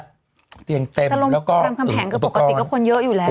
แต่โรงพยาบาลรามคำแผงปกติก็คนเยอะอยู่แล้ว